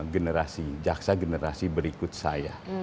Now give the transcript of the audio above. generasi jaksa generasi berikut saya